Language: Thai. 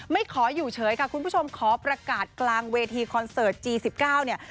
ขออยู่เฉยค่ะคุณผู้ชมขอประกาศกลางเวทีคอนเสิร์ตจี๑๙เนี่ย